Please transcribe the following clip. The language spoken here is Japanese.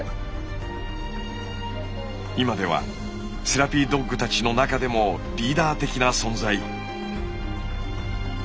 今ではセラピードッグたちの中でもリーダー的な存在。